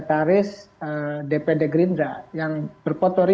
kalian dapat berpikir